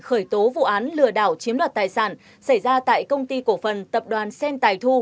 khởi tố vụ án lừa đảo chiếm đoạt tài sản xảy ra tại công ty cổ phần tập đoàn sen tài thu